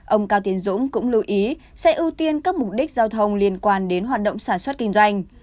ông cao tiến dũng cũng lưu ý sẽ ưu tiên các mục đích giao thông liên quan đến hoạt động sản xuất kinh doanh